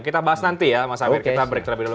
kita bahas nanti ya mas awir kita break terlebih dahulu